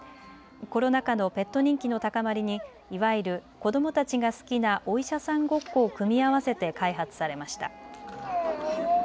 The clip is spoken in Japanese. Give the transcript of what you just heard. コロナ禍のペット人気の高まりにいわゆる子どもたちが好きなお医者さんごっこを組み合わせて開発されました。